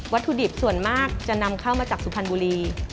ถุดิบส่วนมากจะนำเข้ามาจากสุพรรณบุรี